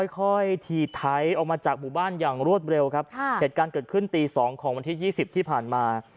ค่อยถีบไทยออกมาจากหมู่บ้านอย่างรวดเร็วครับเหตุการณ์เกิดขึ้นตีสองของวันที่๒๐ที่ผ่านมา